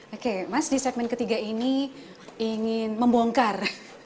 oke mas di segmen ketiga ini ingin membongkar